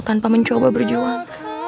tanpa mencoba berjuang